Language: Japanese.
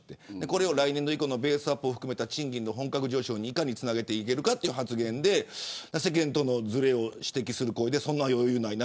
これを来年度以降ベースアップを含めた賃金の本格上昇にいかにつなげていけるかという発言で世間とのずれを指摘する声でそんな余裕ない。